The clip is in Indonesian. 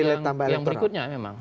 itu faktor yang berikutnya memang